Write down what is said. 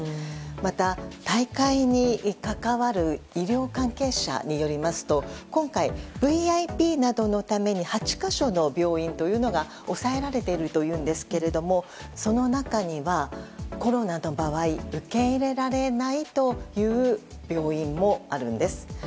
また、大会に関わる医療関係者によりますと今回、ＶＩＰなどのために８か所の病院が押さえられているというですけどその中にはコロナの場合受け入れられないという病院もあるんです。